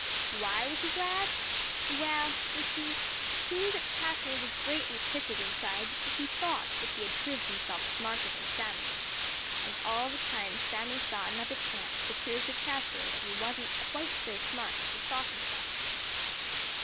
Why was he glad? Well, you see, he knew that Chatterer was greatly tickled inside because he thought that he had proved himself smarter than Sammy, and all the time Sammy saw another chance to prove to Chatterer that he wasn't so smart as he thought himself.